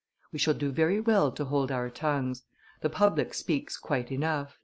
We shall do very well to hold our tongues; the public speaks quite enough."